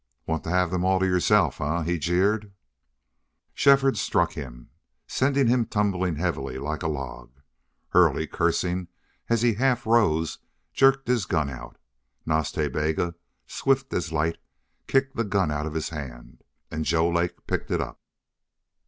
"Want to have them all yerself, eh?" he jeered. Shefford struck him sent him tumbling heavily, like a log. Hurley, cursing as he half rose, jerked his gun out. Nas Ta Bega, swift as light, kicked the gun out of his hand. And Joe Lake picked it up.